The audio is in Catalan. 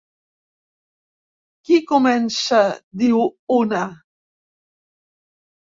Qui comença diu una.